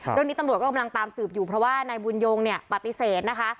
เรื่องนี้ตำรวจก็กำลังตามสืบอยู่เพราะว่านายบุญยงเนี่ยปฏิเสธนะคะ